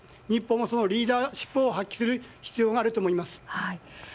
日本もリーダーシップを発揮する必要があると思います。